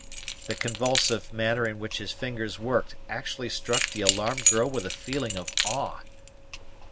The convulsive manner in which his fingers worked actually struck the alarmed girl with a feeling of awe.